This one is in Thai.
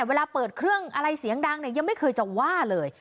เวลาเปิดเครื่องอะไรเสียงดังเนี่ยยังไม่เคยจะว่าเลย